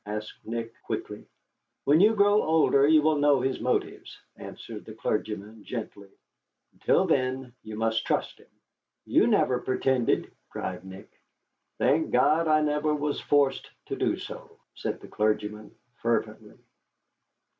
asked Nick, quickly. "When you grow older you will know his motives," answered the clergyman, gently. "Until then; you must trust him." "You never pretended," cried Nick. "Thank God I never was forced to do so," said the clergyman, fervently.